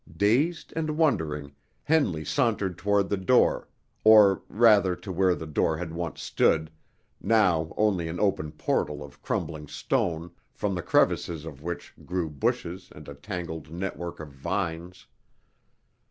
Dazed and wondering, Henley sauntered toward the door, or rather to where the door had once stood, now only an open portal of crumbling stone, from the crevices of which grew bushes and a tangled network of vines.